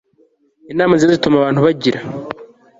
Inama nziza zituma abantu bagira